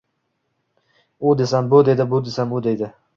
U desam bu deydi, bu desam u deydi…